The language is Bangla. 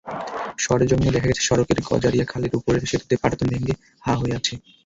সরেজমিনে দেখা গেছে, সড়কের গজারিয়া খালের ওপরের সেতুতে পাটাতন ভেঙে হঁা হয়ে আছে।